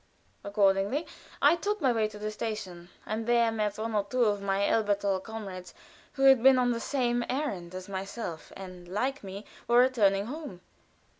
Accordingly I took my way to the station, and there met one or two of my Elberthal comrades, who had been on the same errand as myself, and, like me, were returning home.